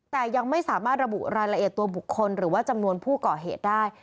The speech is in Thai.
แต่ยังไม่สามารถระบุรายละเอียดตัวบุคคลหรือว่าจำนวนผู้ก่อเหตุได้